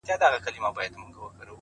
ته مي يو ځلي گلي ياد ته راوړه؛